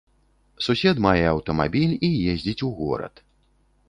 Сусед мае аўтамабіль і ездзіць у горад.